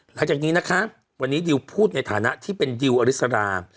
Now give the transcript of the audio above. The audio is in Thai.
หลังจากนี้นะคะวันนี้ดิวพูดในฐานะที่เป็นดิวอริสรา